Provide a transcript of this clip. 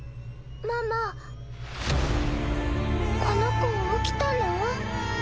ママこの子起きたの？